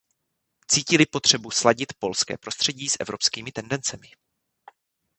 Cítili potřebu sladit polské prostředí s evropskými tendencemi.